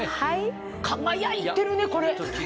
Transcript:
輝いてるねこれ。